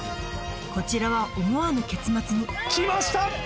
こちらは思わぬ結末に・きました！